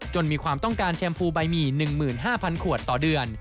มีความต้องการแชมพูใบหมี่๑๕๐๐ขวดต่อเดือน